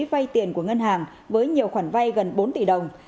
vay tiền của ngân hàng với nhiều khoản vay gần bốn tỷ đồng